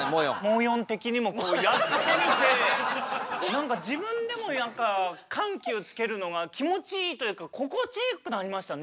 もう４的にもやってみて何か自分でも何か緩急つけるのが気持ちいいというか心地よくなりましたね。